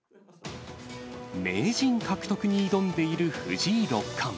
名人獲得に挑んでいる藤井六冠。